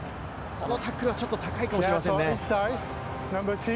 このタックルはちょっと高いかもしれないですね。